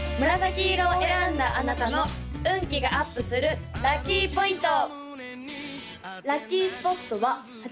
黄色を選んだあなたの運気がアップするラッキーポイント！